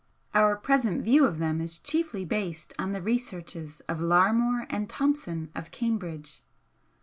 Our present view of them is chiefly based on the researches of Larmor and Thomson of Cambridge.